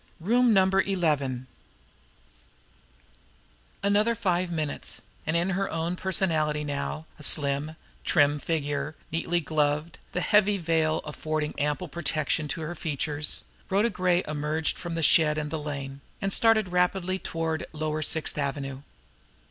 IX. ROOM NUMBER ELEVEN Another five minutes, and in her own personality now, a slim, trim figure, neatly gloved, the heavy veil affording ample protection to her features, Rhoda Gray emerged from the shed and the lane, and started rapidly toward lower Sixth Avenue.